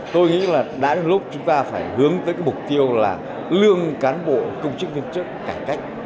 tôi nghĩ là đã đến lúc chúng ta phải hướng tới cái mục tiêu là lương cán bộ công chức viên chức cải cách